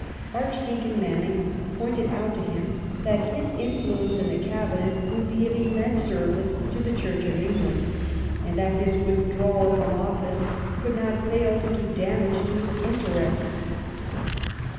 Archdeacon Manning pointed out to him that his influence in the Cabinet would be of immense service to the Church of England, and that his withdrawal from office could not fail to do damage to its interests.